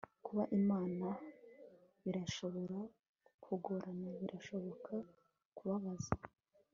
kuba mama birashobora kugorana, birashobora kubabaza